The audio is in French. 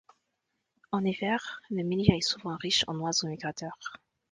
En hiver, le milieu est souvent riche en oiseaux migrateurs.